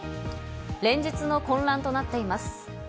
連日の混乱となっています。